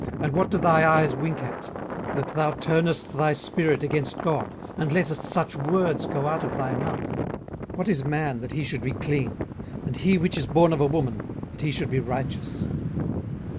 and what do thy eyes wink at, 18:015:013 That thou turnest thy spirit against God, and lettest such words go out of thy mouth? 18:015:014 What is man, that he should be clean? and he which is born of a woman, that he should be righteous?